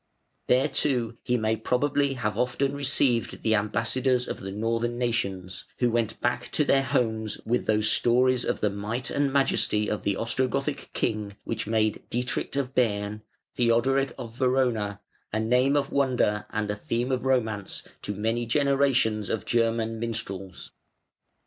There too he may probably have often received the ambassadors of the Northern nations, who went back to their homes with those stories of the might and majesty of the Ostrogothic king which made "Dietrich of Bern" (Theodoric of Verona) a name of wonder and a theme of romance to many generations of German minstrels.